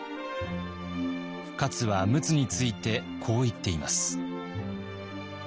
勝は陸奥についてこう言っています。